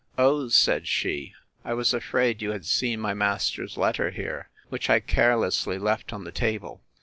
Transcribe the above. O, said she, I was afraid you had seen my master's letter here, which I carelessly left on the table.